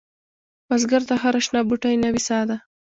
بزګر ته هره شنه بوټۍ نوې سا ده